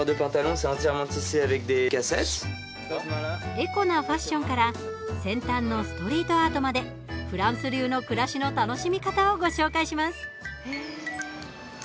エコなファッションから先端のストリートアートまでフランス流の暮らしの楽しみ方をご紹介します。